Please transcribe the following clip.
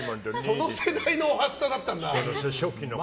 その世代の「おはスタ」だったんだ。